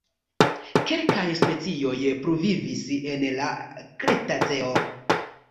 Kelkaj specioj pluvivis en la Kretaceo.